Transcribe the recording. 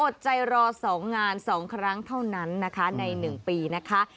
อดใจรอ๒งาน๒ครั้งเท่านั้นนะคะใน๑ปีนะคะ